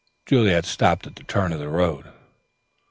Juliet stopped at the turn of the road.